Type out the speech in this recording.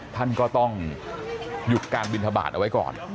ท่านก็ต้องหยุดการบินทบาทเอาไว้ก่อน